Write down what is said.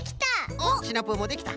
おっシナプーもできた。